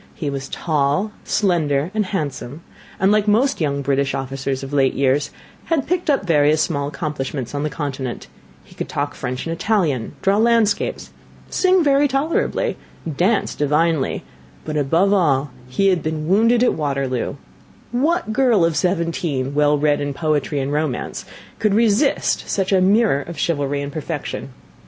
He was tall, slender, and handsome, and like most young British officers of late years, had picked up various small accomplishments on the Continent he could talk French and Italian draw landscapes, sing very tolerably dance divinely; but above all he had been wounded at Waterloo; what girl of seventeen, well read in poetry and romance, could resist such a mirror of chivalry and perfection!